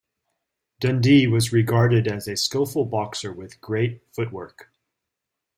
Dundee was regarded as a skillful boxer with great footwork.